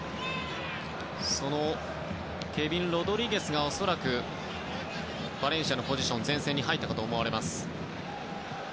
ケビン・ロドリゲスが恐らくバレンシアのポジション前線に入ったかと思われます。